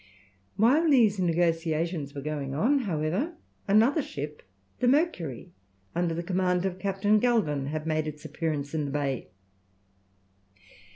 While these negotiations were going on, however, another ship, the Mercury, under command of Captain Galvin, had made its appearance in the bay.